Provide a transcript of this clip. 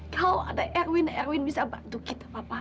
kalau ada erwin erwin bisa bantu kita papa